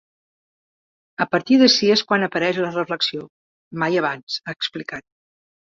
A partir d’ací és quan apareix la reflexió, mai abans, ha explicat.